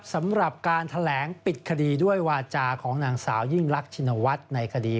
สำหรับการแถลงปิดคดีด้วยวาจาของนางสาวยิ่งรักชินวัฒน์ในคดี